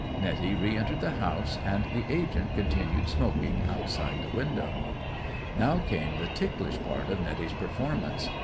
'Netty re entered the house, and the agent continued smoking outside the window. Now came the ticklish part of Netty's performance.